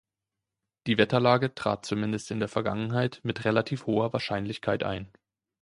Die Wetterlage trat zumindest in der Vergangenheit mit relativ hoher Wahrscheinlichkeit ein.